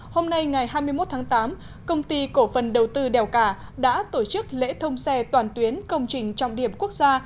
hôm nay ngày hai mươi một tháng tám công ty cổ phần đầu tư đèo cả đã tổ chức lễ thông xe toàn tuyến công trình trọng điểm quốc gia